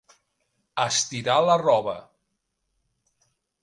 Estirar la roba.